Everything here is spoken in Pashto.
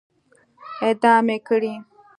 اعدام يې کړئ!